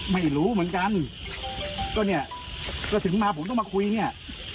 ไม่รู้เหมือนกันก็เนี่ยก็ถึงมาผมต้องมาคุยเนี่ย